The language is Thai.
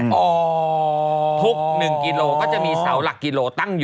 เออตลกไหมล่ะ